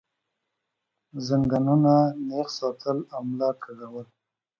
زنګونان نېغ ساتل او ملا کږول